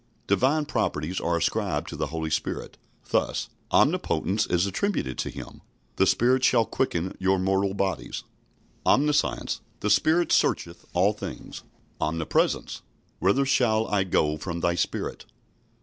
Divine properties are ascribed to the Holy Spirit. Thus Omnipotence is attributed to Him "The Spirit shall quicken your mortal bodies", Omniscience "The Spirit searcheth all things", Omnipresence "Whither shall I go from thy Spirit?"